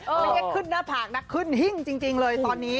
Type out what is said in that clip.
ไม่ใช่ขึ้นหน้าผากนะขึ้นหิ้งจริงเลยตอนนี้